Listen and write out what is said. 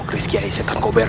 kris kiai setan kober